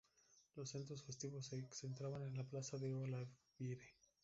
Los centros festivos se centraban en la plaza de Olavide.